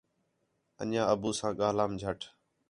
انڄیاں ابو ساں ڳاھلم جَھٹ